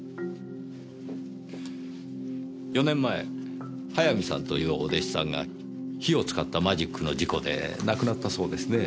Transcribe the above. ４年前早見さんというお弟子さんが火を使ったマジックの事故で亡くなったそうですねぇ。